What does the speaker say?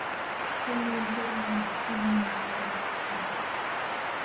Тый мыйын первый улат, тый мыйын пытартыш лият.